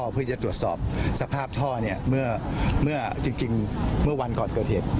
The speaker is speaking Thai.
เพื่อจะตรวจสอบสภาพท่อเมื่อวันก่อนเกิดเหตุ